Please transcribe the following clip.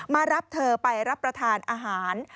มารับเธอไปรับประทานอาหาร